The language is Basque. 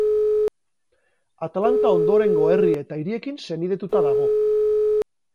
Atlanta ondorengo herri eta hiriekin senidetuta dago.